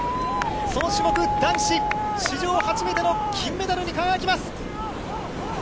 その種目男子史上初めての金メダルに輝きます。